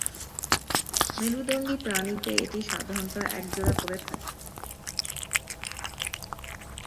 মেরুদণ্ডী প্রাণীতে এটি সাধারণত একজোড়া করে থাকে।